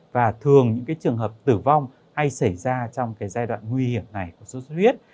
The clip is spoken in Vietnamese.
và thường những trường hợp tử vong hay xảy ra trong giai đoạn nguy hiểm này của sốt xuất huyết